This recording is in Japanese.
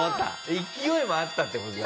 勢いもあったって事だね。